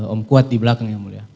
om kuat di belakang yang mulia